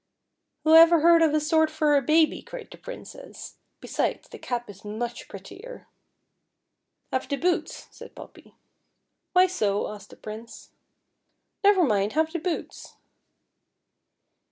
" Whoever heard of a sword for a baby ?" cried the Princess ;" besides the cap is much prettier." " Have the boots," said Poppy. "Why so.? " asked the Prince. "Never mind, have the boots."